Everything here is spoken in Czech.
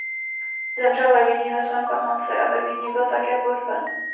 Zemřel ve Vídni ve svém paláci a ve Vídni byl také pohřben.